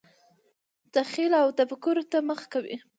تخیل او تفکر ته مخه کوي.